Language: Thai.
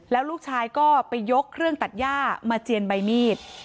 แล้วลูกชายก็ไปยกเครื่องตัดย่ามาเจียนใบมีด